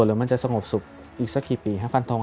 หรือมันจะสงบสุบอีกสักกี่ปี